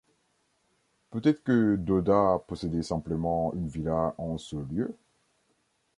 Peut-être que Doda possédait simplement une villa en ce lieu.